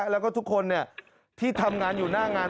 แล้วก็ทุกคนที่ทำงานอยู่หน้างาน